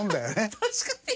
確かに！